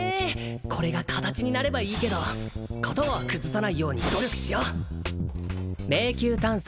これが形になればいいけど型は崩さないように努力しよう迷宮探索